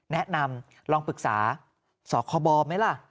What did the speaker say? แนะนำลองปรึกษาสคบไหมล่ะ